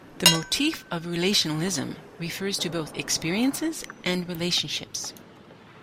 The motif of relationalism refers to both experiences and relationships.